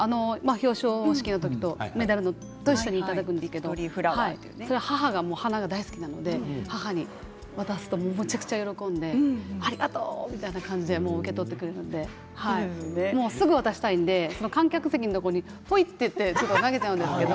表彰式の時メダルと一緒にいただくんですけれども母は花が大好きなので母に渡すと、むちゃくちゃ喜んでありがとう！みたいな感じで受け取ってくれるのでもうすぐ渡したいので観客席のところにぽいっと投げちゃうんですけれど。